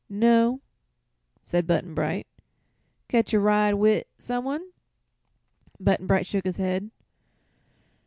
"No," said Button Bright. "Catch a ride wi' some one?" Button Bright shook his head.